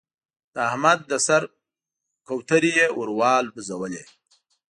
د احمد د سر کوترې يې ور والوزولې.